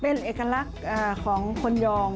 เป็นเอกลักษณ์ของคนยอง